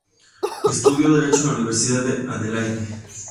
Estudió derecho en la Universidad de Adelaide.